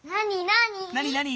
なになに？